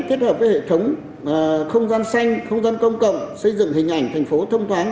kết hợp với hệ thống không gian xanh không gian công cộng xây dựng hình ảnh thành phố thông thoáng